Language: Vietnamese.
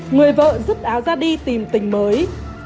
người vợ rứt áo ra đi tìm tình mới